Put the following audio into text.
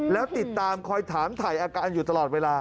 แล้วติดตามคอยถามถ่ายอาการอยู่ตลอดเวลา